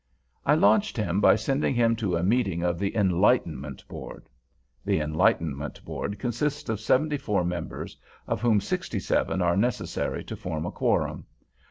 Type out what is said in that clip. I launched him by sending him to a meeting of the Enlightenment Board. The Enlightenment Board consists of seventy four members, of whom sixty seven are necessary to form a quorum.